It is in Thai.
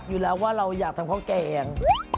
อยู่แล้วว่าเราอยากทำพ่อแกเอง